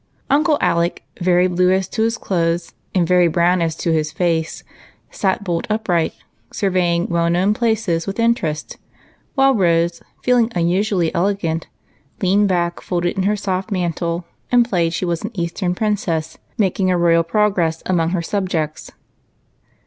Uncle Alec, very blue as to his clothes, and very brown as to his face, sat bolt upright, surveying well known places with interest, while Rose, feeling unusually elegant and comfortable, leaned back folded in her soft mantle, and played she was an Eastern princess making a royal progress among her subjects.